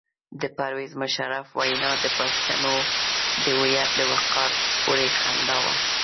د پرویز مشرف وینا د پښتنو د هویت او وقار پورې خندا وه.